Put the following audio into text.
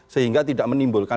sehingga tidak menimbulkan